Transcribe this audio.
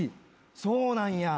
そうなんや。